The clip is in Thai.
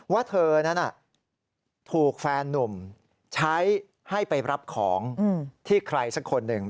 ว่าเธอนั้นถูกแฟนนุ่มใช้ให้ไปรับของที่ใครสักคนหนึ่ง